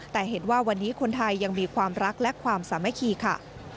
แต่เห็นว่าวันนี้คนไทยยังมีความรักและความสามัคคีค่ะ